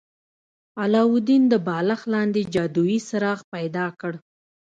علاوالدین د بالښت لاندې جادويي څراغ پیدا کړ.